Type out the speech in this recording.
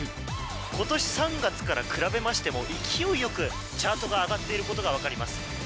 今年３月から比べましても勢いよくチャートが上がっていることが分かります。